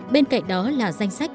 bên cạnh đó là danh sách